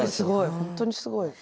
本当にすごい。